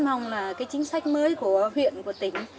mình cũng rất mong là cái chính sách mới của huyện yên định